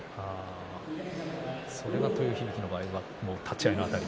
それは豊響の場合は立ち合いのあたり。